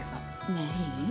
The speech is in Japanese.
ねぇいい？